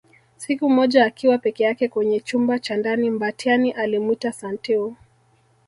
Siku moja akiwa peke yake kwenye chumba cha ndani Mbatiany alimwita Santeu